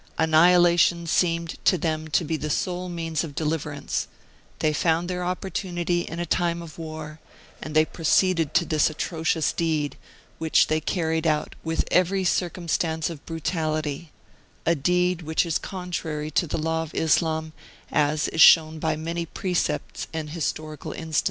Annihilation seemed to them to be the sole means of deliverance ; they found their opportunity in a time of war, and they proceeded to this atrocious deed, which they carried out with every circumstance of brutality a deed which is contrary to the law of Islam, as is shown by many precepts and historical instances.